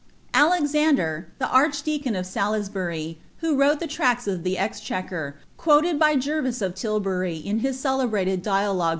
Alexander, the archdeacon of Salisbury (who wrote the iracia of the Exchequer, quoted by Gervase of Tilbury in hii celebrated Dialogue!